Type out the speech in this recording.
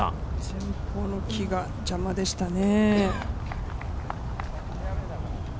前方の木が邪魔でしたね。